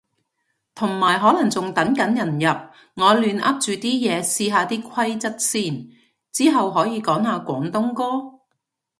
同埋可能仲等緊人入，我亂噏住啲嘢試下啲規則先。之後可以講下廣東歌？